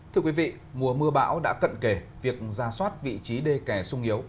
thưa quý vị mùa mưa bão đã cận kề việc ra soát vị trí đê kè sung yếu